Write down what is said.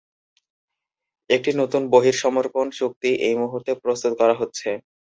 একটা নতুন বহিঃসমর্পণ চুক্তি এই মুহূর্তে প্রস্তুত করা হচ্ছে।